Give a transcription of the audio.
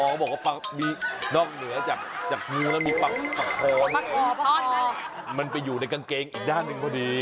นอกเหนือจากงูแล้วมีปลาคอมันไปอยู่ในกางเกงอีกด้านหนึ่งพอดี